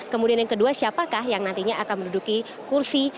kemudian yang kedua siapakah yang nantinya akan menduduki kursi